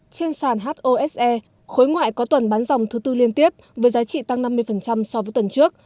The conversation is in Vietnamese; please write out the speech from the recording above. trên sàn hose khối ngoại có tuần bán dòng thứ tư liên tiếp với giá trị tăng năm mươi so với tuần trước